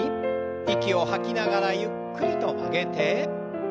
息を吐きながらゆっくりと曲げて。